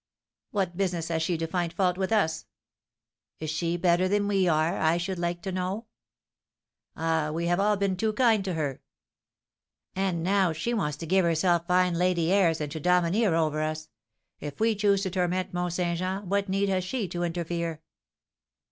"What business has she to find fault with us?" "Is she better than we are, I should like to know?" "Ah, we have all been too kind to her!" "And now she wants to give herself fine lady airs, and to domineer over us! If we choose to torment Mont Saint Jean, what need has she to interfere?"